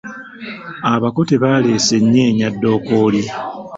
Abako tebaleese nnyeenyaddookooli.